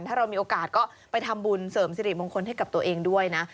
ถ้าเรามีโอกาสก็ไปทำบุญเสริมสิริมงคลให้กับตัวเองด้วยนะ